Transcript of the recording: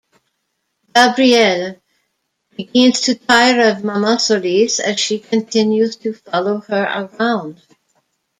Gabrielle begins to tire of Mama Solis as she continues to follow her around.